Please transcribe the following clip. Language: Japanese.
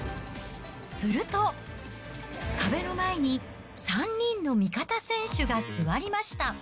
すると、壁の前に３人の味方選手が座りました。